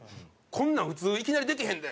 「こんなん普通いきなりできへんで」